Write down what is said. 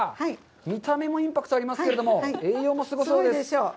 見た目もインパクトありますけれども、栄養もすごいです。